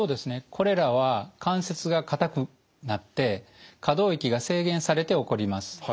これらは関節が硬くなって可動域が制限されて起こります。